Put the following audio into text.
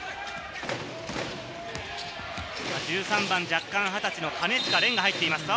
１３番、弱冠２０歳の金近廉が入っています。